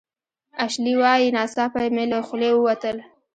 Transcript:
اشلي وايي "ناڅاپه مې له خولې ووتل